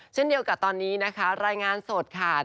เช่นเดียวกับตอนนี้นะคะรายงานสดค่ะ